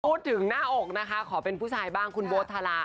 หน้าอกนะคะขอเป็นผู้ชายบ้างคุณโบ๊ทธารา